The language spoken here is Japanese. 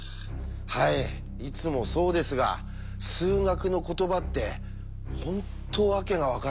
はいいつもそうですが数学の言葉って本当訳が分からないですよね。